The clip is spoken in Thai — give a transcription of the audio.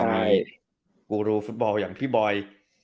ใช่กูรูฟุตบอลอย่างพี่บอย